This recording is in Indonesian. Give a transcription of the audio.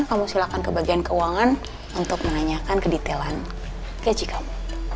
kamu silakan ke bagian keuangan untuk menanyakan kedetalan gaji kamu